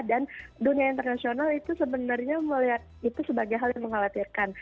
dan dunia internasional itu sebenarnya melihat itu sebagai hal yang mengkhawatirkan